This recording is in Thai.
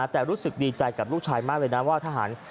แต่รู้สึกดีใจกับลูกชายมากเลยนะว่าทหาร